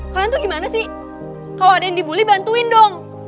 kalian tuh gimana sih kalau ada yang dibully bantuin dong